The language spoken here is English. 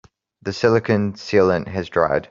The silicon sealant has dried.